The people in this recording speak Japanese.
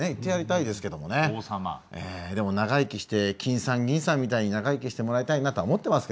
ええでも長生きしてきんさんぎんさんみたいに長生きしてもらいたいなとは思ってますけどねええ。